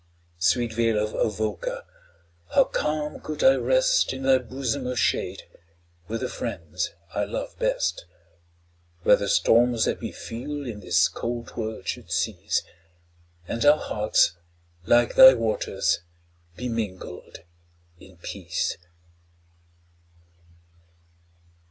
Sweet vale of Avoca! how calm could I rest In thy bosom of shade, with the friends I love best, Where the storms that we feel in this cold world should cease, And our hearts, like thy waters, be mingled in peace.